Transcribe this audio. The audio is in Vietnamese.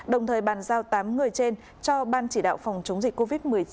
đồng thời bàn giao tám người trên cho ban chỉ đạo phòng chống dịch covid một mươi chín